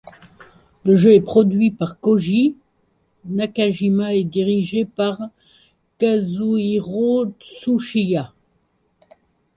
Le jeu est produit par Kōji Nakajima et dirigé par Kazuhiro Tsuchiya.